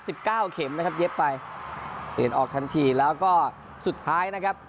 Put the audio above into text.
สิบเก้าเข็มนะครับเย็บไปเปลี่ยนออกทันทีแล้วก็สุดท้ายนะครับ